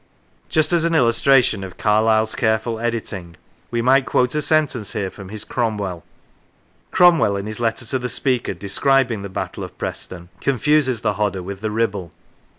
Just as an illustration of Carlyle's careful editing we might quote a sentence here from his "Cromwell." Cromwell, in his letter to the Speaker de scribing the Battle of Preston, confuses the Hodder with the Kibble.